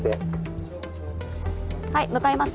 はい向かいます。